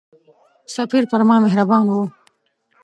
سفیر پر ما مهربان وو.